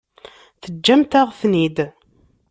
Teǧǧamt-aɣ-ten-id.